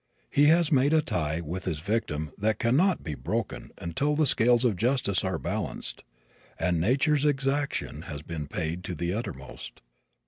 He has made a tie with his victim that can not be broken until the scales of justice are balanced and nature's exaction has been paid to the uttermost.